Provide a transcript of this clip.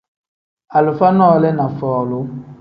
Alifa nole ni folu.